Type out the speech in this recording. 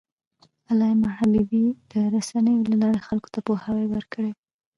علامه حبيبي د رسنیو له لارې خلکو ته پوهاوی ورکړی.